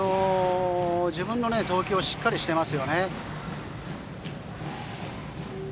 自分の投球をしっかりしていますね。